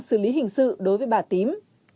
sử lý hình sự đối với bà tím